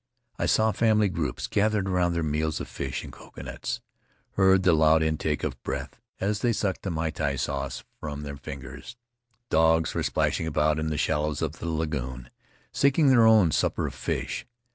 I saw family groups gathered around their meals of fish and coconuts, heard the loud intake of breath as they sucked the miti sauce from their fingers. Dogs were splashing about in the shallows of the lagoon, seeking their own supper of fish.